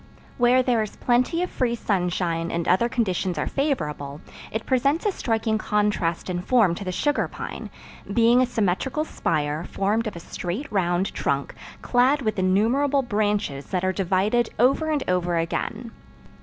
Where there is plenty of free sunshine and other conditions are favorable, it presents a striking contrast in form to the sugar pine, being a symmetrical spire, formed of a straight round trunk, clad with innumerable branches that are divided over and over again.